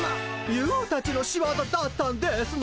ユーたちの仕業だったんですね！